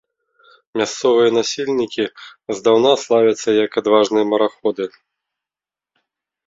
Мясцовыя насельнікі здаўна славяцца як адважныя мараходы.